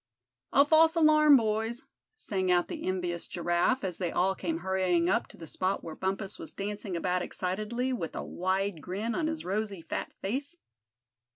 "A false alarm, boys!" sang out the envious Giraffe, as they all came hurrying up to the spot where Bumpus was dancing about excitedly, with a wide grin on his rosy fat face.